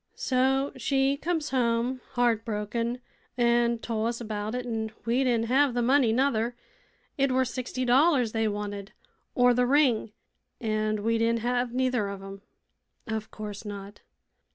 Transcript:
"So she comes home, heartbroken, an' told us about it, an' we didn't hev th' money nuther. It were sixty dollars they wanted, or th' ring; an' we didn't hev neither of 'em." "Of course not."